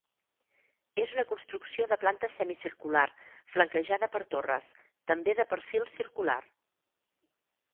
És una construcció de planta semicircular flanquejada per torres, també de perfil circular.